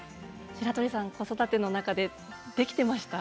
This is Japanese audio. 白鳥さん、子育ての中でできていましたか？